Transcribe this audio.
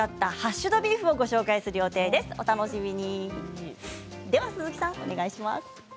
お楽しみに。